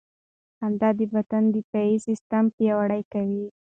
خندا د بدن دفاعي سیستم پیاوړی کوي.